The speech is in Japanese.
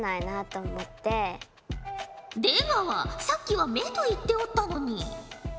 さっきは目と言っておったのに。